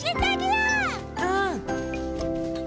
うん！